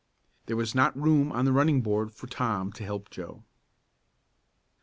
There was not room on the running board for Tom to help Joe.